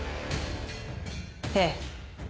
ええ。